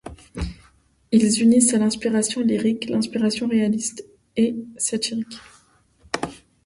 Ils unissent à l'inspiration lyrique l'inspiration réaliste et satirique.